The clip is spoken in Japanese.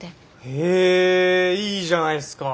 へえいいじゃないすか。